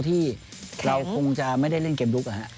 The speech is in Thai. ที่เราคงจะไม่ได้เล่นเกมลุก